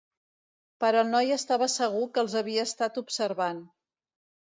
Però el noi estava segur que els havia estat observant.